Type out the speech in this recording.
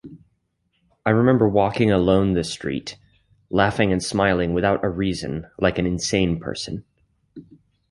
I remember walking alone the street, laughing and smiling without a reason like an insane person.